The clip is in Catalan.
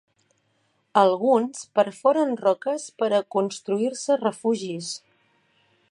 Alguns perforen roques per a construir-se refugis.